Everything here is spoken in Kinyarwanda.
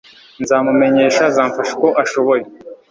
nzamumenyeshe azamfasha uko ashoboye